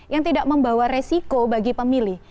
yang tidak membawa resiko bagi pemilih